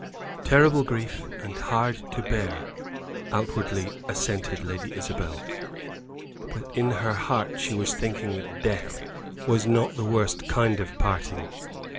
"Terrible grief, and hard to bear," outwardly assented Lady Isabel. But in her heart she was thinking that death was not the worst kind of parting.